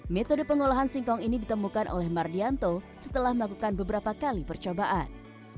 metode pengolahan singkong ini ditemukan oleh mardianto setelah melakukan beberapa kali percobaan